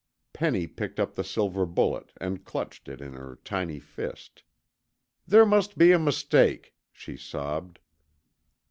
Penny picked up the silver bullet and clutched it in her tiny fist. "There must be a mistake," she sobbed.